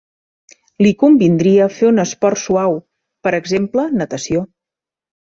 Li convindria fer un esport suau, per exemple natació.